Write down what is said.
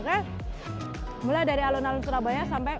widah subianto herudwi sudarmantho surabaya jawa timur